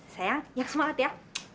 sayang yang semangat ya